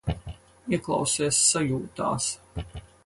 Ieklausies sajūtās.